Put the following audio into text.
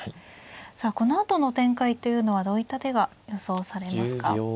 さあこのあとの展開というのはどういった手が予想されますか。